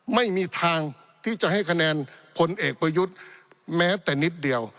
ไม่มีทางที่จะให้คะแนนพลเอกประยุทธ์แม้แต่นิดเดียว